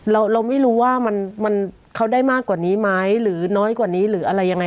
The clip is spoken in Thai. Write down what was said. เราไม่รู้ว่ามันเขาได้มากกว่านี้ไหมหรือน้อยกว่านี้หรืออะไรยังไง